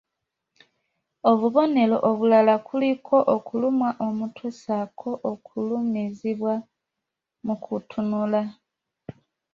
Mu bubonero obulala kuliko okulumwa omutwe, ssaako okukaluubirizibwa mu kutunula